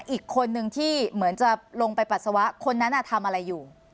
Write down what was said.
อีกคนนึงที่เหมือนจะลงไปปัสสาวะคนนั้นทำอะไรอยู่